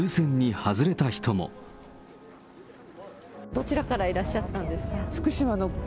どちらからいらっしゃったんですか？